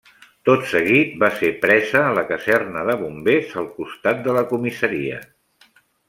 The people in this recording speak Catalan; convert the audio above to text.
Tot seguit va ser presa la caserna de bombers, al costat de la comissaria.